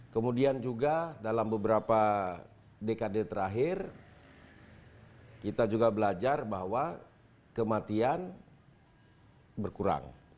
kemudian juga dalam beberapa dekade terakhir kita juga belajar bahwa kematian berkurang